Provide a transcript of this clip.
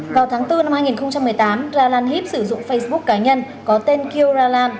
vào tháng bốn năm hai nghìn một mươi tám ra lan hip sử dụng facebook cá nhân có tên kieu ra lan